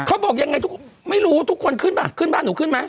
เขาบอกยังไงทุกคนไม่รู้ทุกคนขึ้นป่ะขึ้นบ้านหนูขึ้นไหม